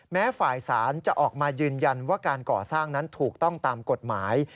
แม้ฝ่ายสารจะออกมายืนยันว่าการก่อสร้างนั้นถูกต้องตามกฎหมาย